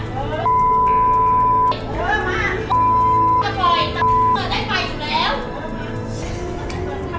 จบหน่วยนะกูอยากไปคุณบ้านดีกว่า